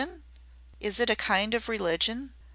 "Is it a kind of religion?"